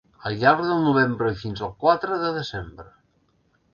Al llarg del novembre i fins al quatre de desembre .